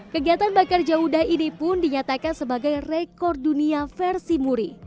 kegiatan bakar jawudah ini pun dinyatakan sebagai rekor dunia versi muri